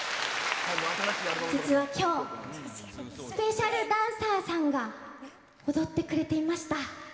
実はきょう、スペシャルダンサーさんが、踊ってくれていました。